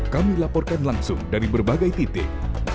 kami laporkan langsung dari berbagai titik